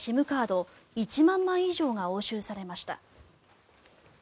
カード１万枚以上が押収されました。